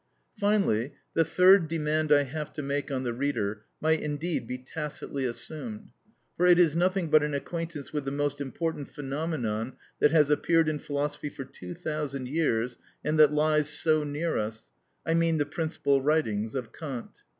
Finally, the third demand I have to make on the reader might indeed be tacitly assumed, for it is nothing but an acquaintance with the most important phenomenon that has appeared in philosophy for two thousand years, and that lies so near us: I mean the principal writings of Kant.